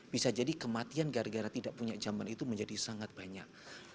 bisa jadi kematian gara gara tidak punya jamban itu menjadi sangat banyak